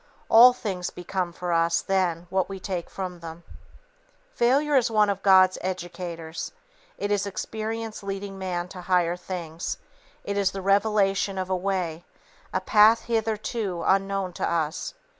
All things become for us then what we take from them. Failure is one of God's educators. It is experience leading man to higher things; it is the revelation of a way, a path hitherto unknown to us.